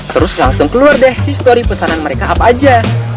terus langsung keluar deh histori pesanan mereka apa aja